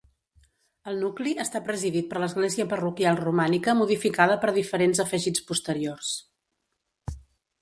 El nucli està presidit per l'església parroquial romànica modificada per diferents afegits posteriors.